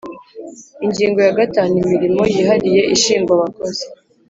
Ingingo ya gatanu Imirimo yihariye ishingwa abakozi